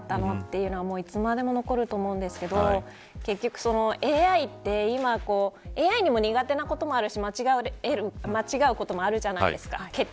なんで自分に相談してくれなかったのというのはいつまでも残ると思うんですけど結局、ＡＩってＡＩにも苦手なこともあるし間違うこともあるじゃないですか。